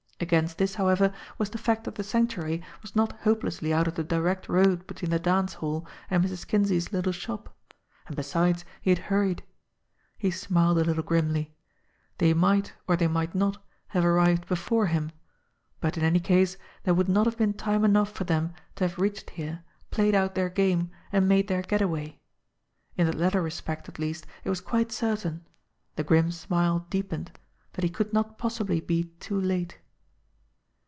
Against this, however, was the fact that the Sanctuary was not hopelessly out of the direct road between the dance hall and Mrs. Kinsey's little shop ; and, besides, he had hurried. He smiled a little grimly. They might, or they might not, have arrived before him ; but, in any case, there would not have been time enough for them to have reached here, played out their game, and made thei? get away. In that latter respect, at least, it was quite cer tain the grim smile deepened that he could not possibly be too late.